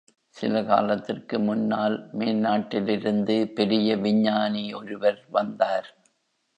சில காலத்திற்கு முன்னால் மேல்நாட்டிலிருந்து பெரிய விஞ்ஞானி ஒருவர் வந்தார்.